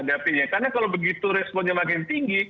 karena kalau begitu responnya makin tinggi